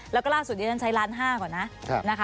และก็ล่าสุดเดียวนั้นใช้ล้านห้าก่อนนะโอเคค่ะ